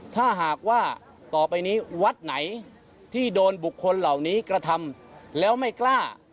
ถ้าหากว่าต่อไปนี้วัดไหนที่โดนบุคคลเหล่านี้กระทำแล้วไม่กล้า